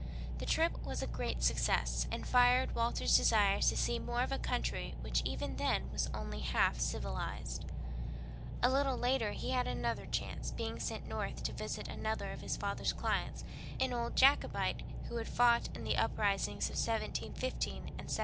The trip was a great success, and fired Walter's desires to see more of a country which even then was only half civilized. A little later he had another chance, being sent north to visit another of his father's clients, an old Jacobite who had fought in the uprisings of 1715 and 1745.